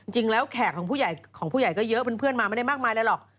จริงแล้วแขกของผู้ใหญ่ก็เยอะเป็นเพื่อนมาไม่ได้มากมายเลยหรอก